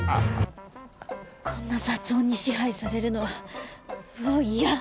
こんな雑音に支配されるのはもう嫌。